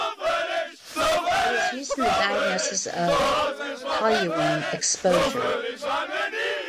It is used in the diagnosis of toluene exposure.